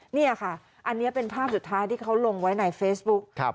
นี่ค่ะอันนี้เป็นภาพสุดท้ายที่เขาลงไว้ในเฟซบุ๊ก